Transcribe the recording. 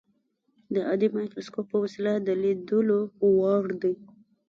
د عادي مایکروسکوپ په وسیله د لیدلو وړ دي.